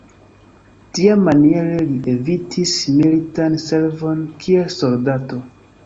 Tiamaniere li evitis militan servon kiel soldato.